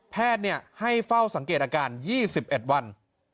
ให้เฝ้าสังเกตอาการ๒๑วัน